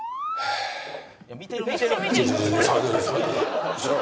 「見てる見てる！」